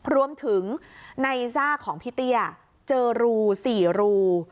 รวมถึงในซากของพี่เตี้ยเจอรู๔รู